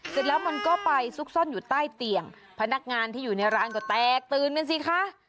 เสร็จแล้วมันก็ไปซุกซ่อนอยู่ใต้เตียงพนักงานที่อยู่ในร้านก็แตกตื่นกันสิคะ